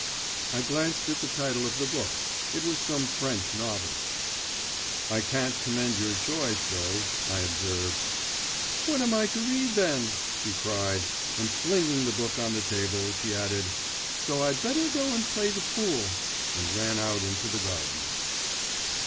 … I glanced at the title of the book; it was some French novel. 'I can't commend your choice, though,' I observed. 'What am I to read then?' she cried; and flinging the book on the table, she added 'so I'd better go and play the fool,' and ran out into the garden.